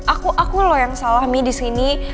aku aku loh yang salah mi disini